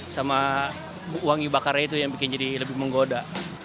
sama wangi bakarnya itu yang bikin jadi lebih menggoda